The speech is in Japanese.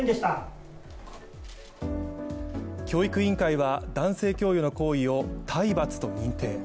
教育委員会は男性教諭の行為を体罰と認定。